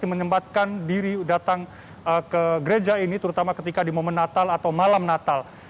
menyempatkan diri datang ke gereja ini terutama ketika di momen natal atau malam natal